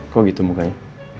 kok gitu mukanya